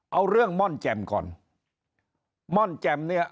เอาเรื่องม่อนแจ่มก่อนม่อนแจ่มเนี่ย